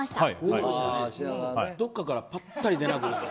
どこかからぱったり出なくなった。